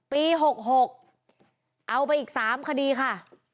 ปี๖๖เอาไปอีก๓คดีค่ะ